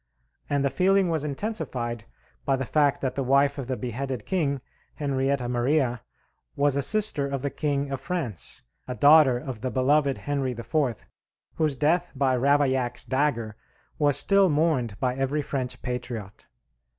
And the feeling was intensified by the fact that the wife of the beheaded king, Henrietta Maria, was a sister of the King of France, a daughter of the beloved Henry IV., whose death by Ravaillac's dagger was still mourned by every French patriot.